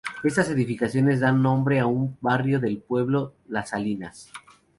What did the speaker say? Estas edificaciones dan nombre a un barrio del pueblo Las Salinas.